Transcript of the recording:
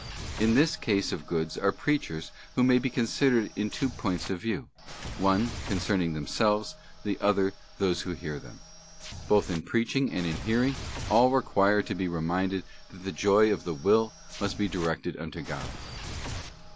In this class of goods are Preachers who may be considered in two points of view: one, concerning themselves, the other, those who hear them. Both in preaching and in hearing, all require to be reminded 'that the joy of the will must be directed unto God.